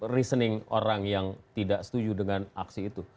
reasoning orang yang tidak setuju dengan aksi itu